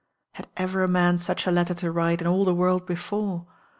Had ever man such a letter to write in all the world before?'